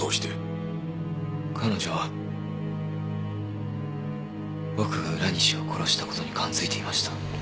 彼女は僕が浦西を殺した事に感づいてました。